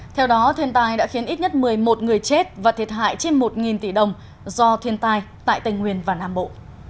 theo đó thiên tai đã khiến ít nhất một mươi một người chết và thiệt hại trên một tỷ đồng do thiên tai tại tây nguyên và nam bộ